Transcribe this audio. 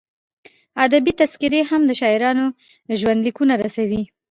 ادبي تذکرې هم د شاعرانو ژوندلیکونه رسوي.